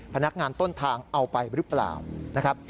พนักงานต้นทางเอาไปหรือเปล่านะครับ